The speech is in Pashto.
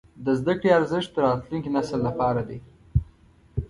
د زده کړې ارزښت د راتلونکي نسل لپاره دی.